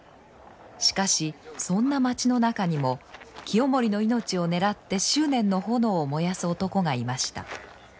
しかしそんな町の中にも清盛の命を狙って執念の炎を燃やす男がいました。